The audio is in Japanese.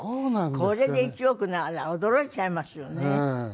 これで１億驚いちゃいますよね。